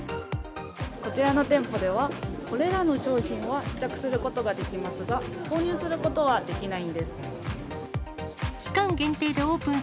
こちらの店舗では、これらの商品は試着することができますが、購入することはできないんです。